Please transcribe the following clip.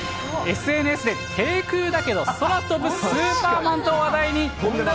ＳＮＳで低空だけど空飛ぶスーパーマンと話題に。